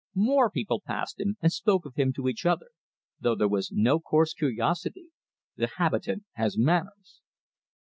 More people passed him, and spoke of him to each other, though there was no coarse curiosity the habitant has manners.